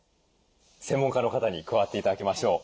専門家の方に加わって頂きましょう。